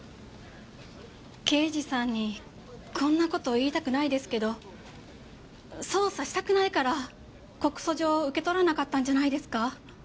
刑事さんにこんな事言いたくないですけど捜査したくないから告訴状を受け取らなかったんじゃないですか？